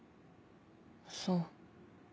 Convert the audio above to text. そう。